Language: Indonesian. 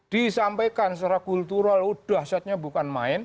disampaikan secara kultural udah saatnya bukan main